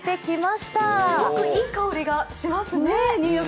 すごくいい香りがしますね。